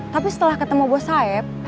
tapi setelah ketemu bos sayap